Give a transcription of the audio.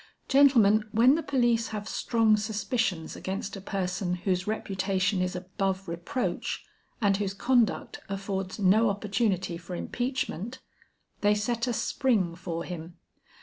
Gentlemen, when the police have strong suspicions against a person whose reputation is above reproach and whose conduct affords no opportunity for impeachment, they set a springe for him.